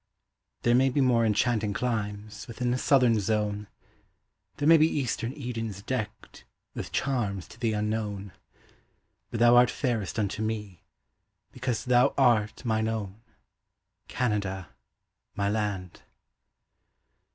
There may be more enchanting climes Within a southern zone; There may be eastern Edens deckt With charms to thee unknown; But thou art fairest unto me, Because thou art mine own, Canada, my land.